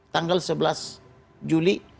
tanggal sebelas juli